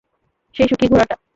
সেই সুখী ঘোড়াটা!